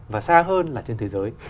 và xa hơn là trên thế giới